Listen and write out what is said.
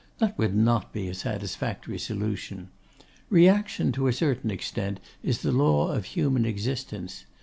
That would not be a satisfactory solution. Reaction, to a certain extent, is the law of human existence.